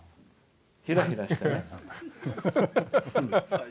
ひらひらしてね。